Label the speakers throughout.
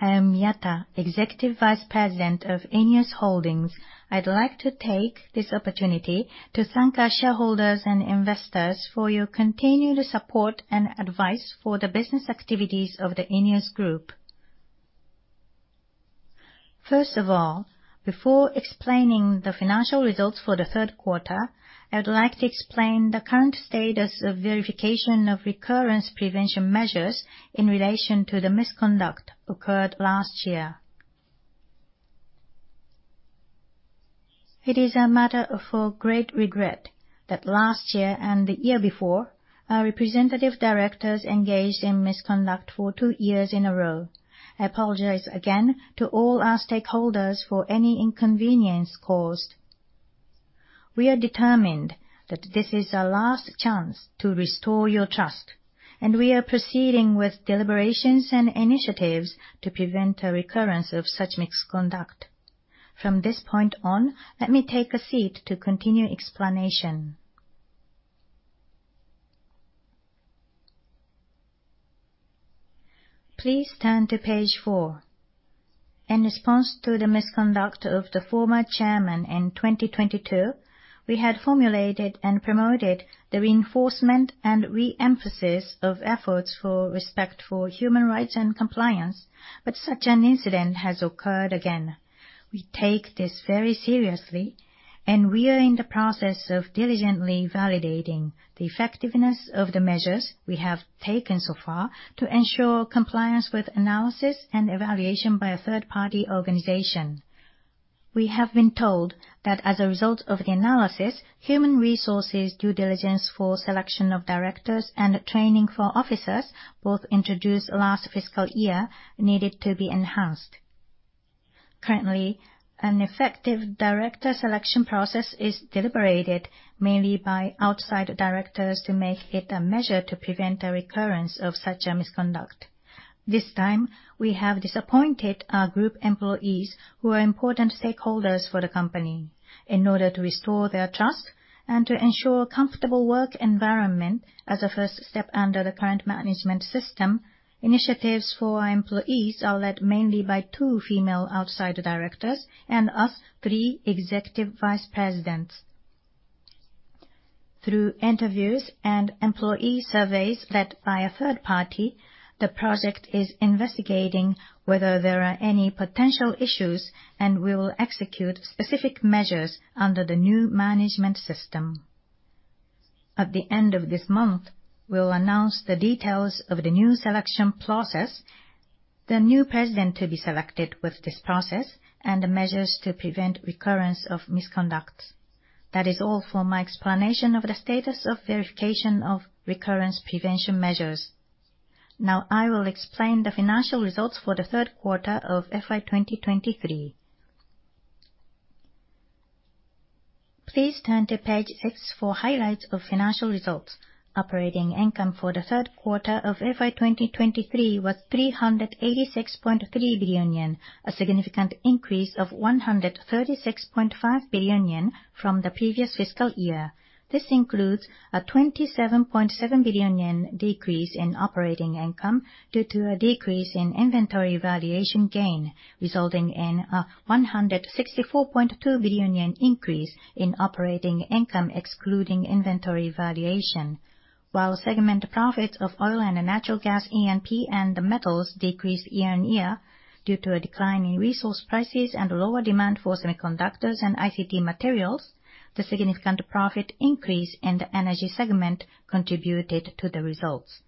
Speaker 1: I am Yata, Executive Vice President of ENEOS Holdings. I'd like to take this opportunity to thank our shareholders and investors for your continued support and advice for the business activities of the ENEOS Group. First of all, before explaining the financial results for the third quarter, I would like to explain the current status of verification of recurrence prevention measures in relation to the misconduct occurred last year. It is a matter for great regret that last year and the year before, our representative directors engaged in misconduct for two years in a row. I apologize again to all our stakeholders for any inconvenience caused. We are determined that this is our last chance to restore your trust, we are proceeding with deliberations and initiatives to prevent a recurrence of such misconduct. From this point on, let me take a seat to continue explanation. Please turn to page four. In response to the misconduct of the former chairman in 2022, we had formulated and promoted the reinforcement and re-emphasis of efforts for respect for human rights and compliance, such an incident has occurred again. We take this very seriously, we are in the process of diligently validating the effectiveness of the measures we have taken so far to ensure compliance with analysis and evaluation by a third-party organization. We have been told that as a result of the analysis, human resources, due diligence for selection of directors, and training for officers, both introduced last fiscal year, needed to be enhanced. Currently, an effective director selection process is deliberated mainly by outside directors to make it a measure to prevent a recurrence of such a misconduct. This time, we have disappointed our group employees, who are important stakeholders for the company. In order to restore their trust and to ensure comfortable work environment as a first step under the current management system, initiatives for our employees are led mainly by two female outside directors and us three Executive Vice Presidents. Through interviews and employee surveys led by a third party, the project is investigating whether there are any potential issues will execute specific measures under the new management system. At the end of this month, we'll announce the details of the new selection process, the new president to be selected with this process, and the measures to prevent recurrence of misconduct. That is all for my explanation of the status of verification of recurrence prevention measures. I will explain the financial results for the third quarter of FY 2023. Please turn to page six for highlights of financial results. Operating income for the third quarter of FY 2023 was 386.3 billion yen, a significant increase of 136.5 billion yen from the previous fiscal year. This includes a 27.7 billion yen decrease in operating income due to a decrease in inventory valuation gain, resulting in a 164.2 billion yen increase in operating income excluding inventory valuation. While segment profits of oil and natural gas, E&P, and metals decreased year-on-year due to a decline in resource prices and lower demand for semiconductors and ICT materials, the significant profit increase in the energy segment contributed to the results.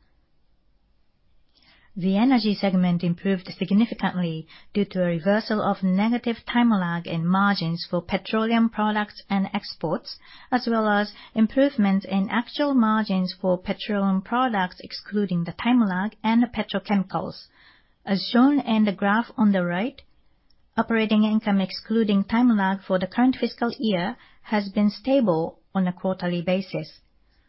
Speaker 1: The energy segment improved significantly due to a reversal of negative time lag in margins for petroleum products and exports, as well as improvements in actual margins for petroleum products, excluding the time lag and petrochemicals. As shown in the graph on the right, operating income excluding time lag for the current fiscal year has been stable on a quarterly basis.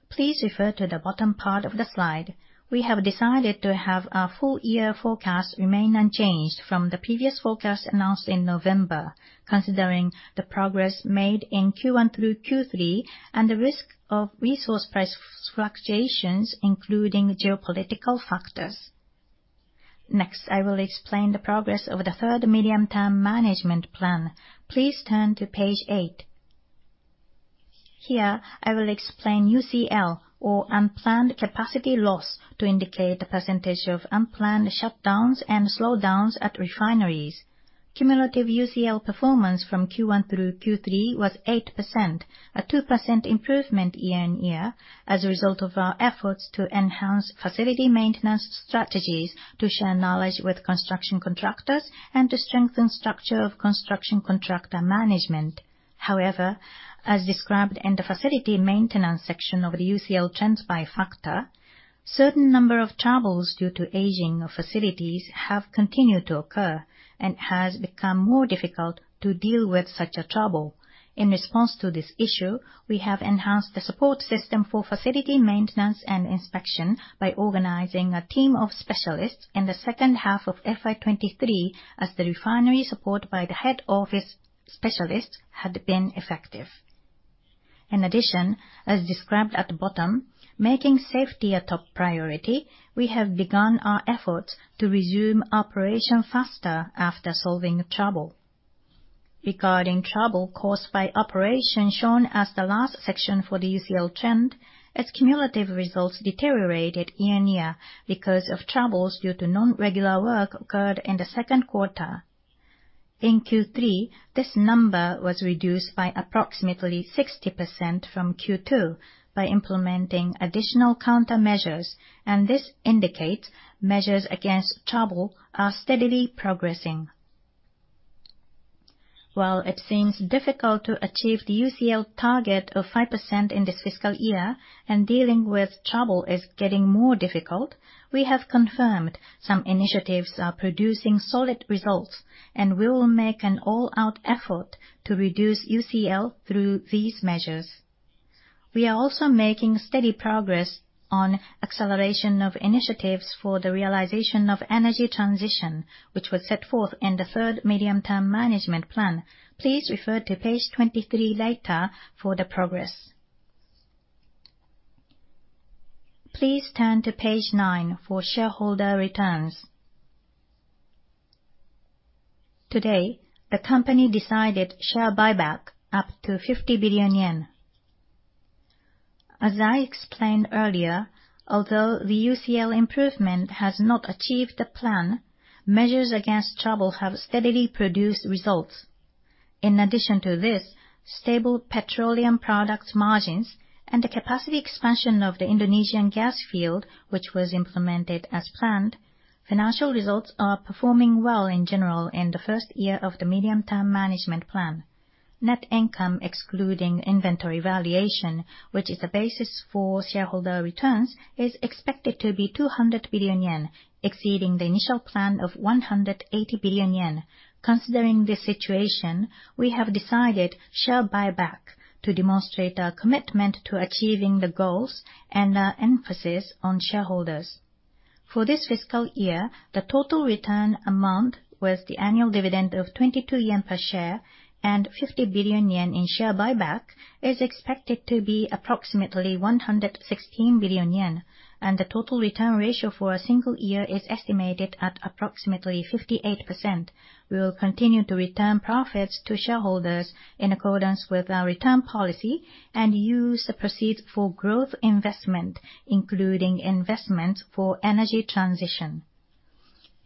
Speaker 1: Please refer to the bottom part of the slide. We have decided to have our full year forecast remain unchanged from the previous forecast announced in November, considering the progress made in Q1 through Q3 and the risk of resource price fluctuations, including geopolitical factors. I will explain the progress of the Third Medium-Term Management Plan. Please turn to page eight. Here, I will explain UCL, or unplanned capacity loss, to indicate the percentage of unplanned shutdowns and slowdowns at refineries. Cumulative UCL performance from Q1 through Q3 was 8%, a 2% improvement year-on-year, as a result of our efforts to enhance facility maintenance strategies to share knowledge with construction contractors and to strengthen structure of construction contractor management. As described in the facility maintenance section of the UCL trends by factor, certain number of troubles due to aging of facilities have continued to occur and has become more difficult to deal with such a trouble. In response to this issue, we have enhanced the support system for facility maintenance and inspection by organizing a team of specialists in the second half of FY 2023 as the refinery support by the head office specialists had been effective. As described at the bottom, making safety a top priority, we have begun our efforts to resume operation faster after solving a trouble. Regarding trouble caused by operation shown as the last section for the UCL trend, its cumulative results deteriorated year-on-year because of troubles due to non-regular work occurred in the second quarter. In Q3, this number was reduced by approximately 60% from Q2 by implementing additional countermeasures. This indicates measures against trouble are steadily progressing. While it seems difficult to achieve the UCL target of 5% in this fiscal year and dealing with trouble is getting more difficult, we have confirmed some initiatives are producing solid results, and we will make an all-out effort to reduce UCL through these measures. We are also making steady progress on acceleration of initiatives for the realization of energy transition, which was set forth in the Third Medium-Term Management Plan. Please refer to page 23 later for the progress. Please turn to page nine for shareholder returns. Today, the company decided share buyback up to 50 billion yen. As I explained earlier, although the UCL improvement has not achieved the plan, measures against trouble have steadily produced results. Stable petroleum products margins and the capacity expansion of the Indonesian gas field, which was implemented as planned, financial results are performing well in general in the first year of the medium-term management plan. Net income excluding inventory valuation, which is the basis for shareholder returns, is expected to be 200 billion yen, exceeding the initial plan of 180 billion yen. Considering this situation, we have decided share buyback to demonstrate our commitment to achieving the goals and our emphasis on shareholders. For this fiscal year, the total return amount with the annual dividend of 22 yen per share and 50 billion yen in share buyback is expected to be approximately 116 billion yen. The total return ratio for a single year is estimated at approximately 58%. We will continue to return profits to shareholders in accordance with our return policy and use the proceeds for growth investment, including investment for energy transition.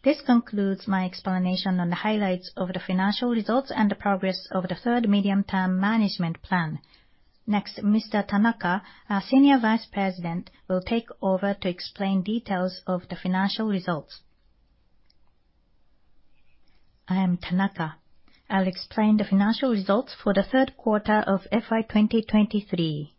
Speaker 1: This concludes my explanation on the highlights of the financial results and the progress of the Third Medium-Term Management Plan. Next, Mr. Tanaka, our Senior Vice President, will take over to explain details of the financial results. I am Tanaka. I'll explain the financial results for the third quarter of FY 2023.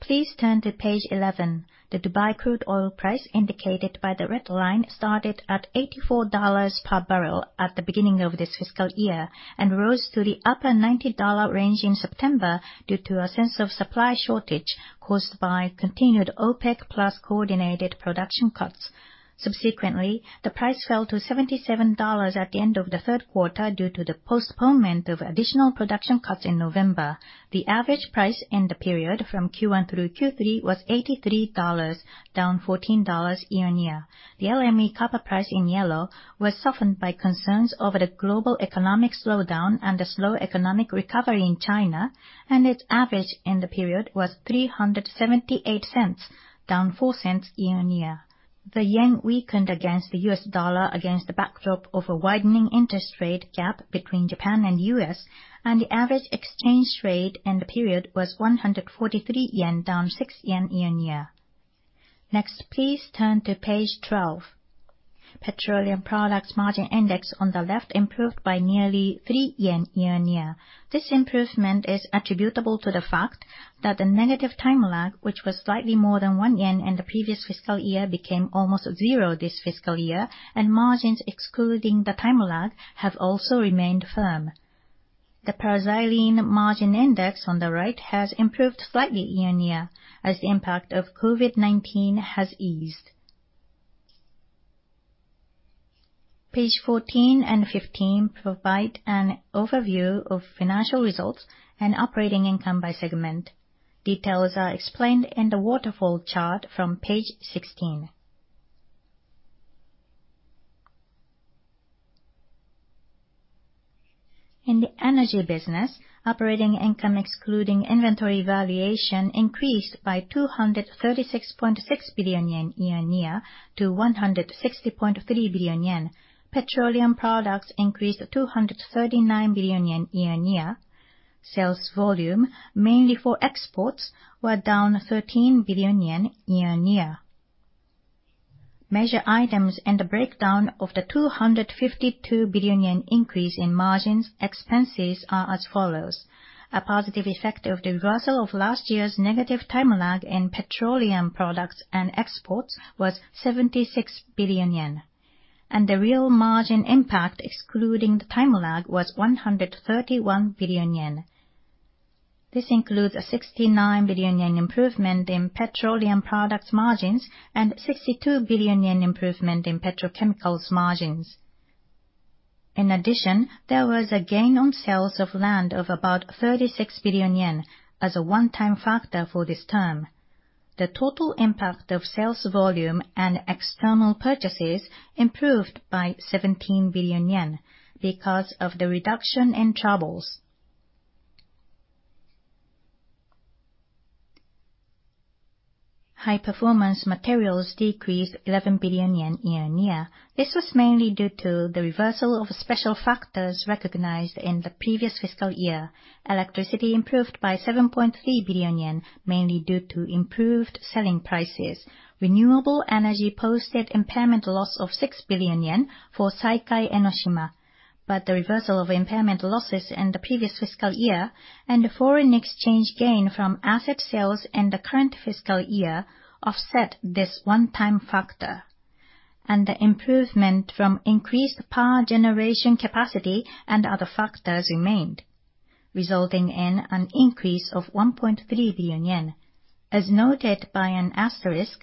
Speaker 1: Please turn to page 11. The Dubai crude oil price indicated by the red line started at $84 per barrel at the beginning of this fiscal year and rose to the upper $90 range in September due to a sense of supply shortage caused by continued OPEC+ coordinated production cuts.
Speaker 2: Subsequently, the price fell to $77 at the end of the third quarter due to the postponement of additional production cuts in November. The average price in the period from Q1 through Q3 was $83, down $14 year-on-year. The LME copper price in yellow was softened by concerns over the global economic slowdown and the slow economic recovery in China, and its average in the period was $3.78, down $0.04 year-on-year. The yen weakened against the U.S. dollar against the backdrop of a widening interest rate gap between Japan and U.S., and the average exchange rate in the period was 143 yen, down 6 yen year-on-year. Next, please turn to page 12. Petroleum products margin index on the left improved by nearly 3 yen year-on-year. This improvement is attributable to the fact that the negative time lag, which was slightly more than 1 yen in the previous fiscal year, became almost zero this fiscal year, and margins, excluding the time lag, have also remained firm. The paraxylene margin index on the right has improved slightly year-on-year as the impact of COVID-19 has eased. Page 14 and 15 provide an overview of financial results and operating income by segment. Details are explained in the waterfall chart from page 16. In the energy business, operating income excluding inventory valuation increased by 236.6 billion yen year-on-year to 160.3 billion yen. Petroleum products increased 239 billion yen year-on-year. Sales volume, mainly for exports, were down 13 billion yen year-on-year. Measure items and the breakdown of the 252 billion yen increase in margins expenses are as follows. A positive effect of the reversal of last year's negative time lag in petroleum products and exports was 76 billion yen, and the real margin impact excluding the time lag was 131 billion yen. This includes a 69 billion yen improvement in petroleum products margins and 62 billion yen improvement in petrochemicals margins. In addition, there was a gain on sales of land of about 36 billion yen as a one-time factor for this term. The total impact of sales volume and external purchases improved by 17 billion yen because of the reduction in troubles. High-performance materials decreased 11 billion yen year-on-year. This was mainly due to the reversal of special factors recognized in the previous fiscal year. Electricity improved by 7.3 billion yen, mainly due to improved selling prices. Renewable energy posted impairment loss of 6 billion yen for Saikai Enoshima, but the reversal of impairment losses in the previous fiscal year and foreign exchange gain from asset sales in the current fiscal year offset this one-time factor. The improvement from increased power generation capacity and other factors remained, resulting in an increase of 1.3 billion yen. As noted by an asterisk,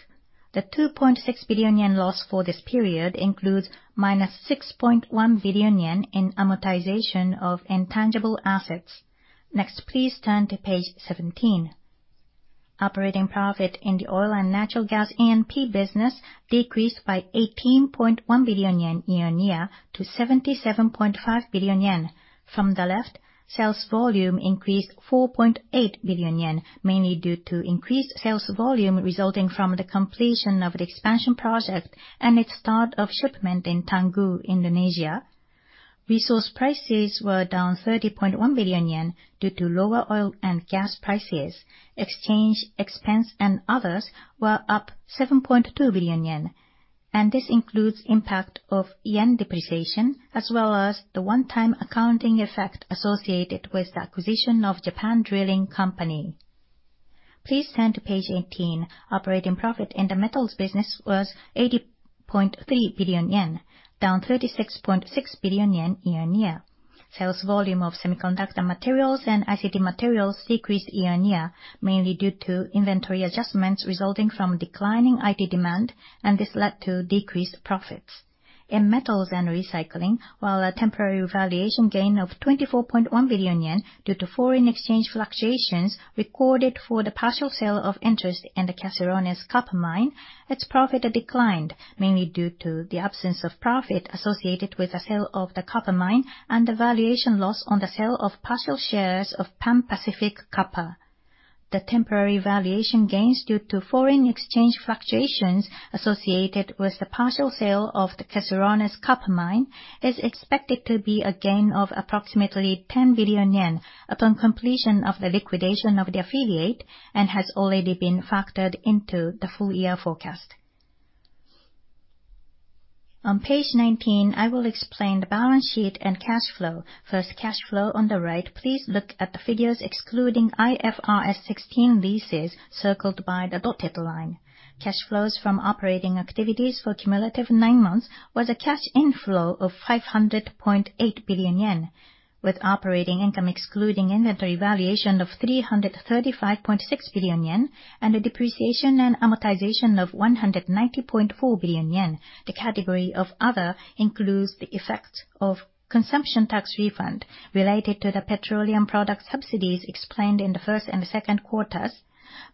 Speaker 2: the 2.6 billion yen loss for this period includes minus 6.1 billion yen in amortization of intangible assets. Next, please turn to page 17. Operating profit in the oil and natural gas E&P business decreased by 18.1 billion yen year-on-year to 77.5 billion yen. From the left, sales volume increased 4.8 billion yen, mainly due to increased sales volume resulting from the completion of the expansion project and its start of shipment in Tangguh, Indonesia. Resource prices were down 30.1 billion yen due to lower oil and gas prices. Exchange expense and others were up 7.2 billion yen, this includes impact of yen depreciation, as well as the one-time accounting effect associated with the acquisition of Japan Drilling Company. Please turn to page 18. Operating profit in the metals business was 80.3 billion yen, down 36.6 billion yen year-on-year. Sales volume of semiconductor materials and ICT materials decreased year-on-year, mainly due to inventory adjustments resulting from declining IT demand, this led to decreased profits. In metals and recycling, while a temporary valuation gain of 24.1 billion yen due to foreign exchange fluctuations recorded for the partial sale of interest in the Caserones copper mine, its profit declined, mainly due to the absence of profit associated with the sale of the copper mine and the valuation loss on the sale of partial shares of Pan Pacific Copper. The temporary valuation gains due to foreign exchange fluctuations associated with the partial sale of the Caserones copper mine is expected to be a gain of approximately 10 billion yen upon completion of the liquidation of the affiliate and has already been factored into the full-year forecast. On page 19, I will explain the balance sheet and cash flow. First, cash flow on the right. Please look at the figures excluding IFRS 16 leases circled by the dotted line. Cash flows from operating activities for cumulative nine months was a cash inflow of 500.8 billion yen, with operating income excluding inventory valuation of 335.6 billion yen and the depreciation and amortization of 190.4 billion yen. The category of "Other" includes the effect of consumption tax refund related to the petroleum product subsidies explained in the first and the second quarters,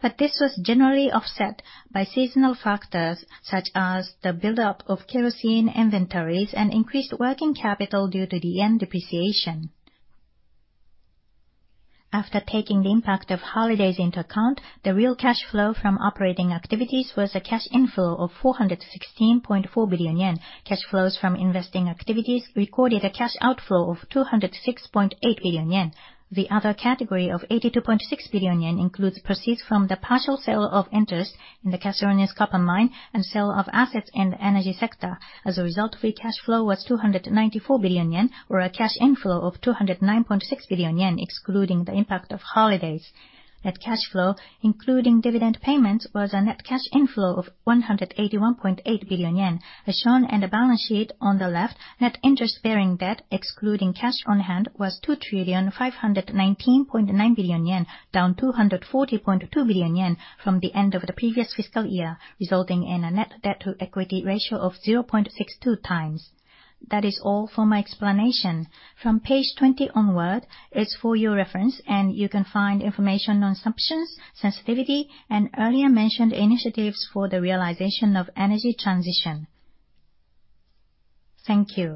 Speaker 2: but this was generally offset by seasonal factors such as the buildup of kerosene inventories and increased working capital due to the yen depreciation. After taking the impact of holidays into account, the real cash flow from operating activities was a cash inflow of 416.4 billion yen. Cash flows from investing activities recorded a cash outflow of 206.8 billion yen. The other category of 82.6 billion yen includes proceeds from the partial sale of interest in the Caserones copper mine and sale of assets in the energy sector. Free cash flow was 294 billion yen or a cash inflow of 209.6 billion yen, excluding the impact of holidays. Net cash flow, including dividend payments, was a net cash inflow of 181.8 billion yen. As shown in the balance sheet on the left, net interest-bearing debt, excluding cash on hand, was 2,519.9 billion yen, down 240.2 billion yen from the end of the previous fiscal year, resulting in a net debt to equity ratio of 0.62 times. That is all for my explanation. From page 20 onward, it's for your reference, and you can find information on assumptions, sensitivity, and earlier mentioned initiatives for the realization of energy transition. Thank you.